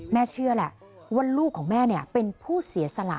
เชื่อแหละว่าลูกของแม่เป็นผู้เสียสละ